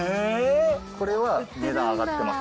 これは値段上がってます。